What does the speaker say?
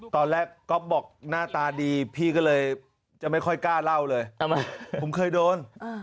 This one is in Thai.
ตอนแรกก๊อฟบอกหน้าตาดีพี่ก็เลยจะไม่ค่อยกล้าเล่าเลยผมเคยโดน